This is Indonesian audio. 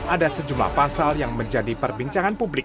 ada sejumlah pasal yang menjadi perbincangan publik